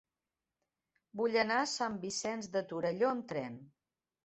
Vull anar a Sant Vicenç de Torelló amb tren.